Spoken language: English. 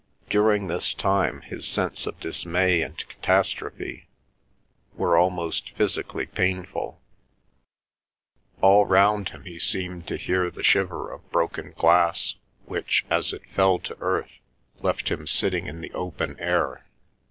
During this time his sense of dismay and catastrophe were almost physically painful; all round him he seemed to hear the shiver of broken glass which, as it fell to earth, left him sitting in the open air.